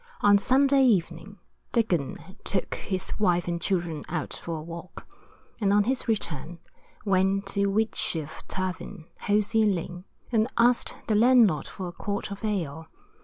On Sunday evening Duggin took his wife and children out for a walk, and on his return went to the Wheatsheaf tavern, Hosier lane, and asked the landlord for a quart of ale.